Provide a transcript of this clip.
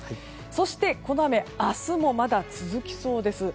そして、この雨明日もまだ続きそうです。